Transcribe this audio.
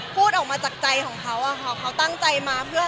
พูดออกมาจากใจของเขาว่าเขาตั้งใจมา